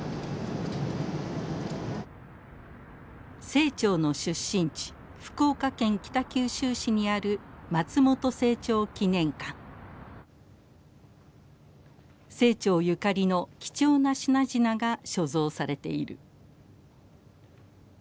清張の出身地福岡県北九州市にある清張ゆかりの貴重な品々が所蔵されている。